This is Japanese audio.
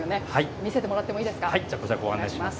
見せてもらってもいいですか。